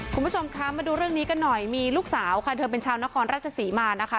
คุณผู้ชมคะมาดูเรื่องนี้กันหน่อยมีลูกสาวค่ะเธอเป็นชาวนครราชศรีมานะคะ